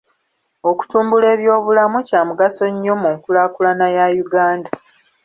Okutumbula ebyobulamu kya mugaso nnyo mu kulaakulana ya Uganda.